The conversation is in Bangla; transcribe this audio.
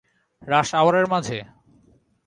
রাশ আওয়ারের মাঝে?